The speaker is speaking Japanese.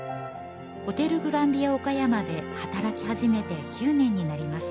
ホテルグランヴィア岡山で働き始めて９年になります